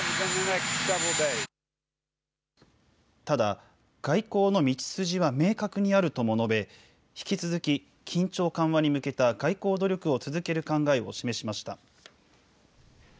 ただ、外交の道筋は明確にあるとも述べ、引き続き緊張緩和に向けた外交努力を続ける考えを示しました。